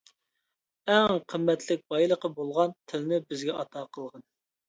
ئەڭ قىممەتلىك بايلىقى بولغان تىلنى بىزگە ئاتا قىلغان.